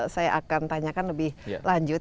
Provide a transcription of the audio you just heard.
saya akan tanyakan lebih lanjut